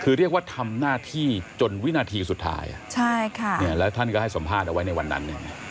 คือเรียกว่าทำหน้าที่จนวินาทีสุดท้ายแล้วท่านก็ให้สัมภาษณ์เอาไว้ในวันนั้น